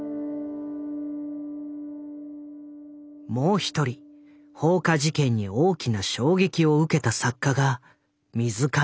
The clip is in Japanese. もう一人放火事件に大きな衝撃を受けた作家が水上勉だ。